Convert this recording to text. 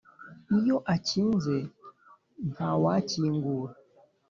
iyo akinze ntawa kingura